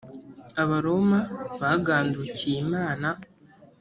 abaroma bagandukiye imana.